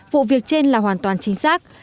vụ việc trên là hoàn toàn chính xác